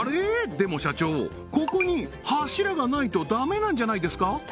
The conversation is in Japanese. でも社長ここに柱がないとダメなんじゃないですか？